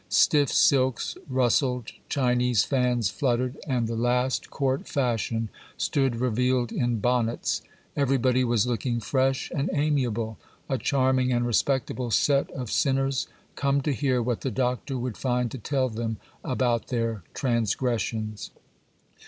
Stiff silks rustled, Chinese fans fluttered, and the last court fashion stood revealed in bonnets; everybody was looking fresh and amiable: a charming and respectable set of sinners come to hear what the Doctor would find to tell them about their transgressions.